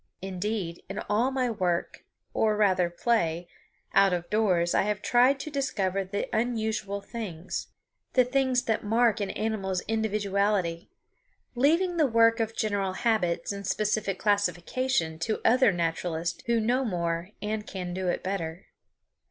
Indeed, in all my work, or rather play, out of doors I have tried to discover the unusual things, the things that mark an animal's individuality, leaving the work of general habits and specific classification to other naturalists who know more and can do it better.